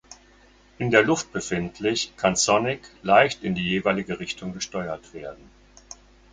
In der Luft befindlich kann Sonic leicht in die jeweilige Richtung gesteuert werden.